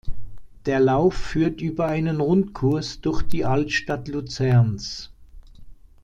Der Lauf führt über einen Rundkurs durch die Altstadt Luzerns.